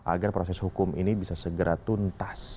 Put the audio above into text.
agar proses hukum ini bisa segera tuntas